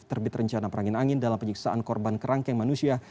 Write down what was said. terbit rencana perangin angin dalam penyiksaan korban kerangkeng manusia